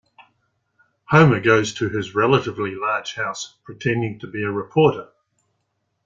Homer goes to his relatively large house pretending to be a reporter.